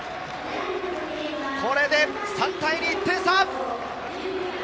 これで３対２、１点差。